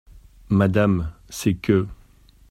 Madame, c’est que…